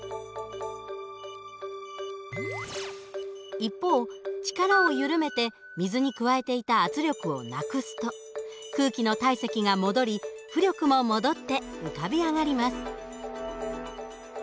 一方力を緩めて水に加えていた圧力をなくすと空気の体積が戻り浮力も戻って浮かび上がります。